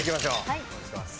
はい。